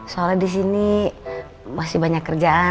soalnya di sini masih banyak kerjaan